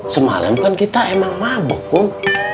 semalam kan kita emang mabok kum